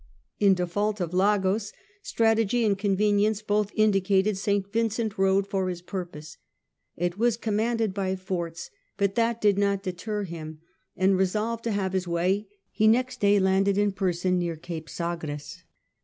In default of Lagos, strategy and convenience both indicated St. Vincent road for his purpose. It was commanded by forts, but that did not deter him ; and resolved to have his way he next day landed in person near Cape Sagres.